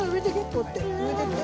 こうやって植えていって。